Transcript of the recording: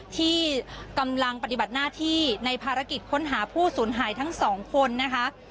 ที่กำลังปฏิบัติหน้าที่ในภารกิจค้นหาผู้สูญหายทั้งสองคนนะคะ